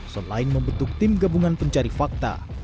selain membentuk tim gabungan pencari fakta